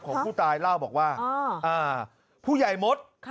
ของผู้ตายเล่าบอกว่าผู้ใหญ่มด